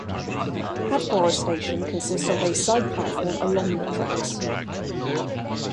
Hatboro station consists of a side platform along the tracks.